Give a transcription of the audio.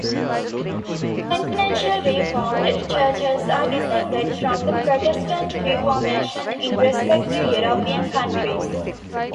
Continental Reformed churches are descended from the Protestant Reformation in respective European countries.